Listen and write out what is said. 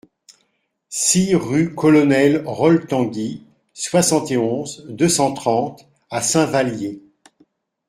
six rue Colonel Rol Tanguy, soixante et onze, deux cent trente à Saint-Vallier